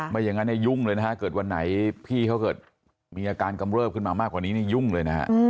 ไม่อย่างนั้นยุ่งเลยนะฮะเกิดวันไหนพี่เขาเกิดมีอาการกำเริบขึ้นมามากกว่านี้นี่ยุ่งเลยนะฮะ